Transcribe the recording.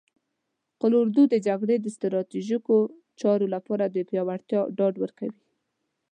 قول اردو د جګړې د ستراتیژیکو چارو لپاره د پیاوړتیا ډاډ ورکوي.